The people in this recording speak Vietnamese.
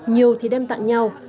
nhiều thì đem tặng nhau